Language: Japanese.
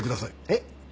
えっ？